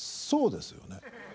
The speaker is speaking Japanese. そうですよね。